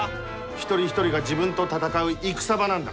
一人一人が自分と戦う戦場なんだ。